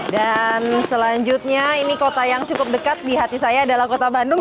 dan selanjutnya ini kota yang cukup dekat di hati saya adalah kota bandung